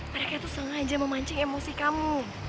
mereka itu sengaja memancing emosi kamu